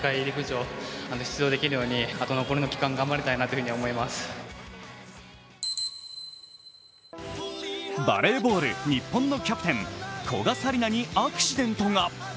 レース後にはバレーボール日本のキャプテン、古賀紗理那にアクシデントが。